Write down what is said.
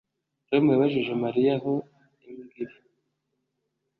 Tom yabajije Mariya aho imbwa iri